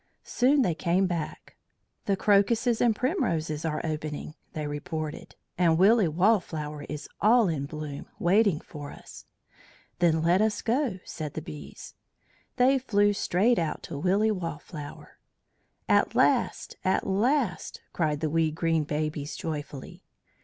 Soon they came back. "The crocuses and primroses are opening," they reported, "and Willy Wallflower is all in bloom waiting for us." "Then let us go!" said the bees. They flew straight out to Willy Wallflower. "At last! at last!" cried the wee green babies joyfully.